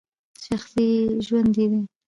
شخصي ژوند یې دی !